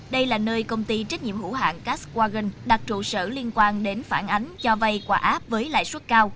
đây là nơi công ty trách nhiệm hữu hạng caskwagon đặt trụ sở liên quan đến phản ánh cho vay qua app với lại suất cao